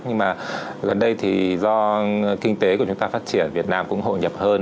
nhưng mà gần đây thì do kinh tế của chúng ta phát triển việt nam cũng hội nhập hơn